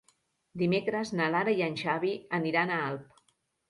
Dimecres na Lara i en Xavi aniran a Alp.